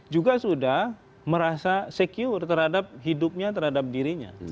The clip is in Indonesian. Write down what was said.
juga sudah merasa secure terhadap hidupnya terhadap dirinya